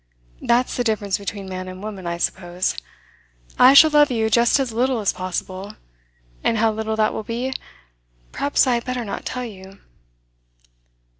That's the difference between man and woman, I suppose. I shall love you just as little as possible and how little that will be, perhaps I had better not tell you.